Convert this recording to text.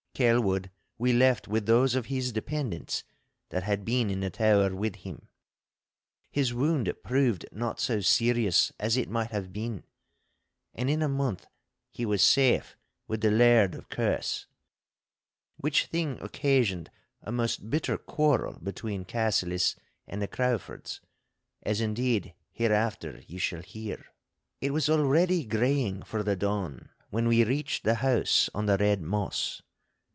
Kelwood we left with those of his dependents that had been in the tower with him. His wound proved not so serious as it might have been, and in a month he was safe with the Laird of Kerse—which thing occasioned a most bitter quarrel between Cassillis and the Craufords, as indeed hereafter ye shall hear. It was already greying for the dawn when we reached the House on the Red Moss.